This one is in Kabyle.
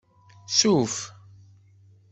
Suff.